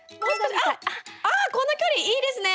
あっ、この距離いいですね。